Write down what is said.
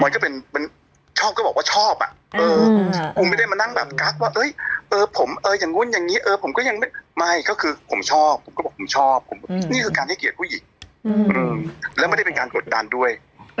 ชอบก็เขาบอกว่าชอบอ่ะเอ้อคุณไม่ได้มานั่งแบบว่าผมอย่างนู่นนี้คือผมชอบนี่คือการให้เกียรติผู้หญิงและไม่ได้เป็นการกดดันด้วย